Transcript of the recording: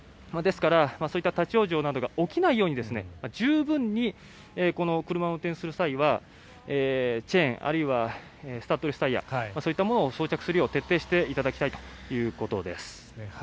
ですからそういった立ち往生などが起きないように十分に車を運転する際はチェーンあるいはスタッドレスタイヤそういったものを装着するよう徹底していただきたいということです。